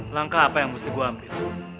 langkah apa yang mesti gue ambil